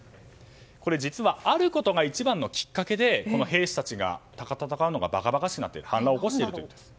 実はあることが一番のきっかけでこの兵士たちが戦うのが馬鹿馬鹿しくなって反乱を起こしているというんです。